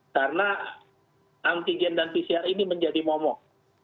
karena antigen dan pcr ini menjadi momok